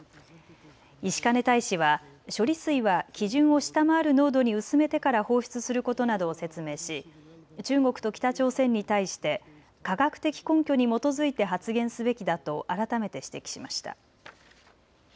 石兼大使は処理水は基準を下回る濃度に薄めてから放出することなどを説明し中国と北朝鮮に対して科学的根拠に基づいて発言すべきだと改めて指摘しました。